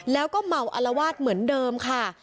แล้วก็เมาอลวาดเหมือนเดิมค่ะ